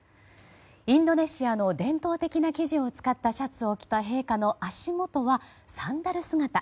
インドネシアの伝統的な生地を使ったシャツを着た陛下の足元はサンダル姿。